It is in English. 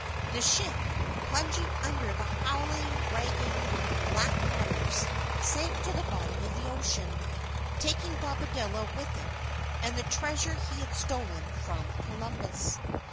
The ship, plunging under the howling, raging, black waters, sank to the bottom of the ocean, taking Bobadilla with it, and the treasure he had stolen from Columbus.